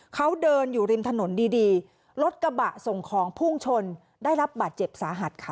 เขาเดินอยู่ริมถนนดีดีรถกระบะส่งของพุ่งชนได้รับบาดเจ็บสาหัสค่ะ